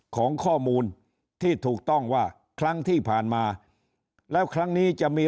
ของข้อมูลที่ถูกต้องว่าครั้งที่ผ่านมาแล้วครั้งนี้จะมี